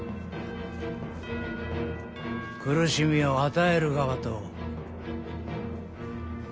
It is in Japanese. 苦しみを与える側と。